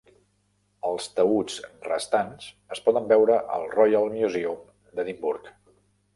Els taüts restants es poden veure al Royal Museum d'Edimburg.